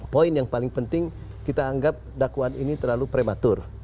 poin yang paling penting kita anggap dakwaan ini terlalu prematur